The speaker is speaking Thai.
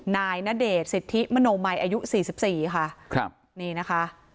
นายณเดชน์สิทธิมโนมัยอายุ๔๔ค่ะ